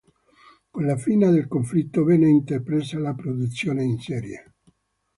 Con la fine del conflitto venne intrapresa la produzione in serie.